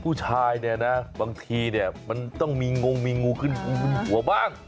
ผู้ชายบางทีมันต้องมีงงมีงูขึ้นหัวบ้าง